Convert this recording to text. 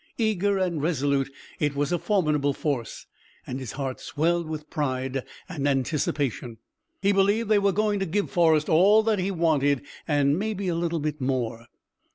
Eager and resolute it was a formidable force, and his heart swelled with pride and anticipation. He believed that they were going to give Forrest all he wanted and maybe a little more.